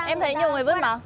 em thấy nhiều người vứt mà